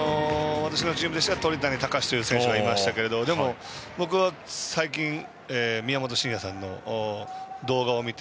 私のチームですと鳥谷敬という選手がいましたけどでも僕は宮本さんの動画を見て。